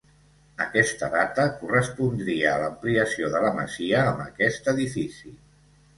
Aquesta data correspondria a l'ampliació de la masia amb aquest edifici.